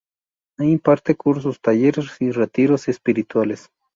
Ahí imparte cursos, talleres y retiros espirituales.